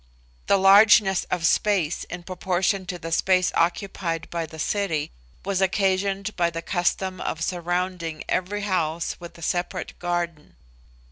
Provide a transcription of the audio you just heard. The largeness of space in proportion to the space occupied by the city, was occasioned by the custom of surrounding every house with a separate garden.